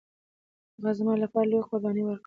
هغه زما لپاره لويه قرباني ورکړه